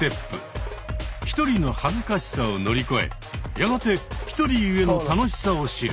ひとりの恥ずかしさを乗り越えやがてひとりゆえの楽しさを知る。